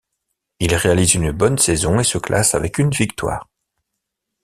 Il réalise une bonne saison et se classe avec une victoire.